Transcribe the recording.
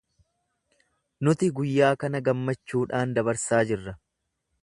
Nuti guyyaa kana gammachuudhaan dabarsaa jirra.